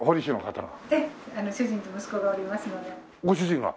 ご主人が？